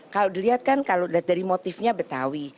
kalau dilihatkan kalau dari motifnya betawi